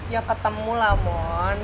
ya ketemu lah mon